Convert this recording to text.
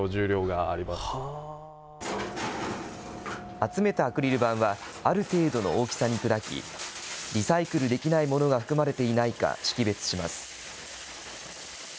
集めたアクリル板はある程度の大きさに砕き、リサイクルできないものが含まれていないか識別します。